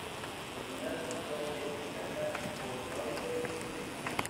La Primera dama actual es Agata Kornhauser-Duda.